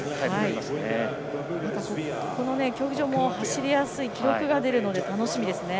またこの競技場も走りやすくて記録が出るので楽しみですね。